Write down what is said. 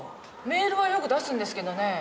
メールはよく出すんですけどね。